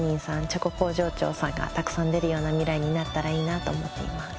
チョコ工場長さんがたくさん出るような未来になったらいいなと思っています。